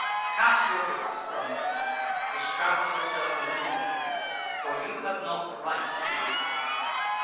Cast your books from you; distract yourself no more; for you have not the right to do so.